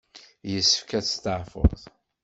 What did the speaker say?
Yessefk ad testeɛfuḍ.